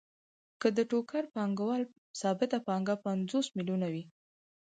که د ټوکر پانګوال ثابته پانګه پنځوس میلیونه وي